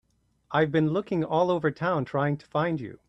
I've been looking all over town trying to find you.